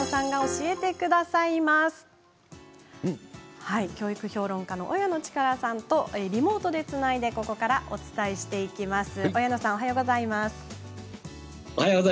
教育評論家の親野智可等さんとリモートでつないでここからお伝えしていきます。